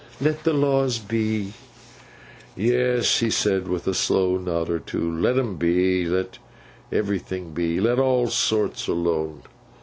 'Let the laws be.' 'Yes,' he said, with a slow nod or two. 'Let 'em be. Let everything be. Let all sorts alone.